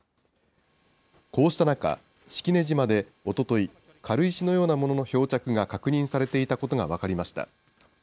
こうした中、式根島でおととい、軽石のようなものの漂着が確認されていたことが分かりました。